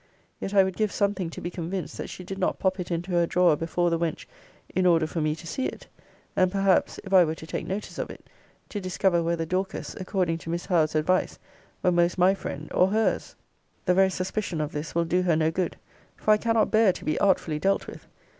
Yet I would give something to be convinced that she did not pop it into her drawer before the wench, in order for me to see it; and perhaps (if I were to take notice of it) to discover whether Dorcas, according to Miss Howe's advice, were most my friend, or her's. The very suspicion of this will do her no good: for I cannot bear to be artfully dealt with.